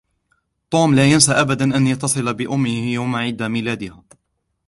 توم لا ينسى أبدا أن يتصل بأمه يوم عيد ميلادها.